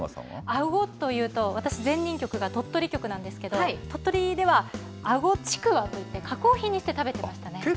あごというと、私前任局が鳥取局なんですけど、鳥取では、あごちくわっていう加工品にして食べてましたね。